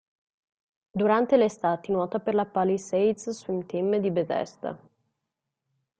Durante le estati nuota per la Palisades Swim Team di Bethesda.